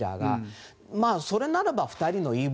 それならば２人の言い分